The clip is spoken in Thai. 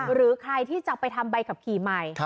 หรือใครที่จะไปทำใบขับขี่ใหม่